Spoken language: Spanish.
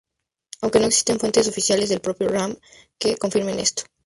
Aunque no existen fuentes oficiales del propio Ram que confirmen esto.